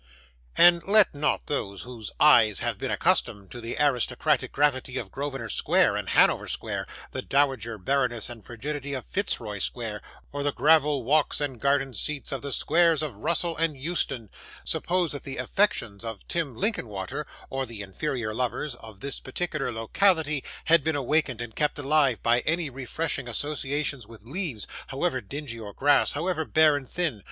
And let not those whose eyes have been accustomed to the aristocratic gravity of Grosvenor Square and Hanover Square, the dowager barrenness and frigidity of Fitzroy Square, or the gravel walks and garden seats of the Squares of Russell and Euston, suppose that the affections of Tim Linkinwater, or the inferior lovers of this particular locality, had been awakened and kept alive by any refreshing associations with leaves, however dingy, or grass, however bare and thin.